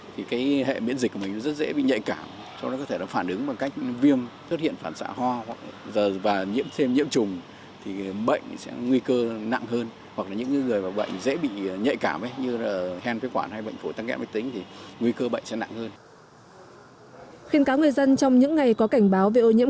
thì cái hệ biện dịch của mình rất dễ bị nhạy cảm